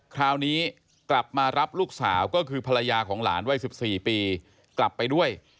คราวนี้กลับมารับลูกสาวก็คือภรรยาของหลานวัย๑๔ปีกลับไปด้วย